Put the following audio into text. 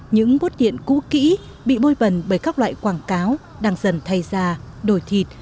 những bút điện cũ kỹ bị bôi bần bởi các loại quảng cáo đang dần thay ra đổi thịt